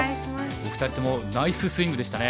お二人ともナイススイングでしたね。